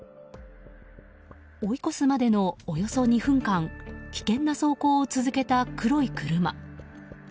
追い越すまでのおよそ２分間危険な走行を続けた黒い車。